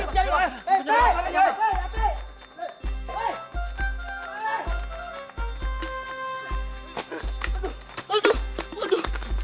the man siapa itu